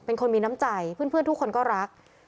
เป็นคนมีน้ำใจเพื่อนทุกคนก็รัก